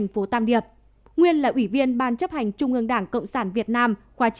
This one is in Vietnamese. nguyên là ủy viên ban chấp hành trung ương đảng cộng sản việt nam khóa chín hai nghìn một hai nghìn sáu